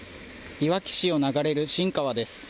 いわき市を流れる新川です。